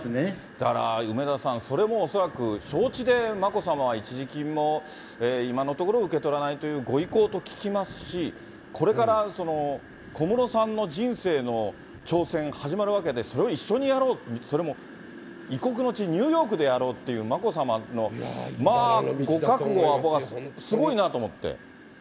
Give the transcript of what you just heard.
だから、梅沢さん、それも恐らく承知で眞子さまは一時金も今のところ受け取らないというご意向と聞きますし、これから小室さんの人生の挑戦始まるわけで、それを一緒にやろうと、それも異国の地、ニューヨークでやろうっていう眞子さまの、まあ、ご覚悟は僕はすごいなと思って。